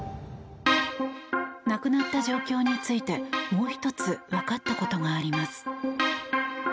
亡くなった状況についてもう１つ分かったことがあります。